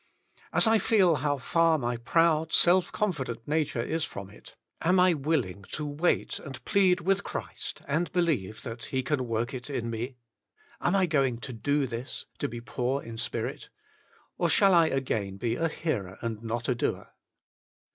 As I feel how far my proud, self confident nature is from it, am I willing to wait, and plead with Christ, and believe that He can work it in me? Am I going to Do This — to be poor in spirit? Or shall I again be a hearer and not a doer